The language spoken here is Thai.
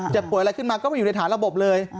ป่วยอะไรขึ้นมาก็ไม่อยู่ในฐานระบบเลย